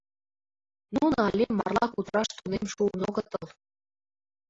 Нуно але марла кутыраш тунем шуын огытыл.